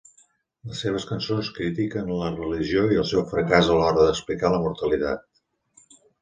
Les seves cançons critiquen la religió i el seu fracàs a l'hora d'explicar la mortalitat.